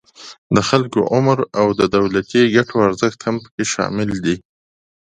د خلکو عمر او د دولتی ګټو ارزښت هم پکې شامل دي